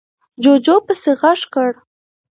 جُوجُو پسې غږ کړ: